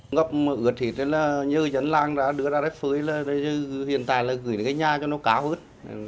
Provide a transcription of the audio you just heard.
ngấp ướt thì như dân lang đã đưa ra đất phới hiện tại là gửi cái nha cho nó cáo hết